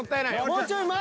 もうちょい前！